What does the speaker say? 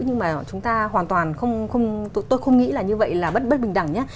nhưng mà chúng ta hoàn toàn không tôi không nghĩ là như vậy là bất bình đẳng nhé